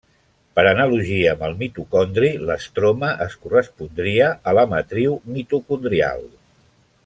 Per analogia amb el mitocondri l'estroma es correspondria a la matriu mitocondrial.